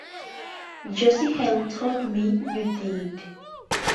Josie Hale told me you did.